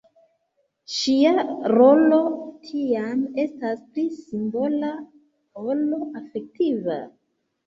Ŝia rolo tiam estas pli simbola ol efektiva.